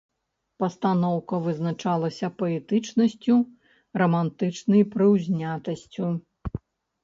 Пастаноўка вызначалася паэтычнасцю, рамантычнай прыўзнятасцю.